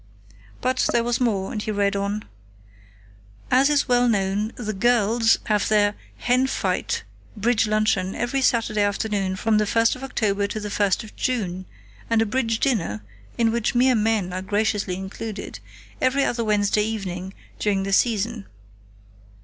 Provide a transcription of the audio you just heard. But there was more, and he read on: "As is well known, the 'girls' have their 'hen fight' bridge luncheon every Saturday afternoon from the first of October to the first of June, and a bridge dinner, in which mere men are graciously included, every other Wednesday evening during the season.